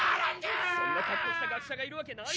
そんな格好した学者がいるわけないだろ！